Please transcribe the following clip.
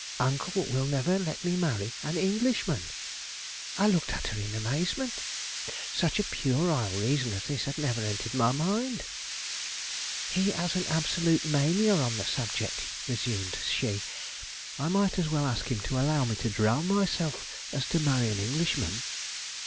Uncle will never let me marry an Englishman." I looked at her in amazement. Such a puerile reason as this had never entered my mind. "He has an absolute mania on the subject," resumed she. "I might as well ask him to allow me to drown myself as to marry an Englishman."